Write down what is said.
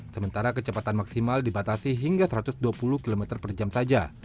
sementara kecepatan maksimal dibatasi hingga satu ratus dua puluh km per jam saja